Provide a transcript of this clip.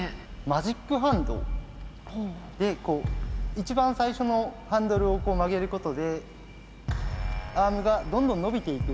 マジックハンドで一番最初のハンドルを曲げることでアームがどんどん伸びていくっていうものから。